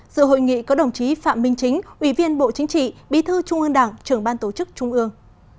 dự hội nghị có đồng chí phạm minh chính ủy viên bộ chính trị bí thư trung ương đảng trưởng ban tổ chức trung ương